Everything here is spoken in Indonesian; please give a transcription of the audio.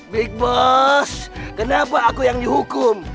big bus kenapa aku yang dihukum